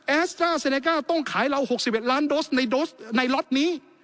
แอศฟ้าเศรษฐกาลต้องขายเรา๖๑ล้านโดสในล็อตนี้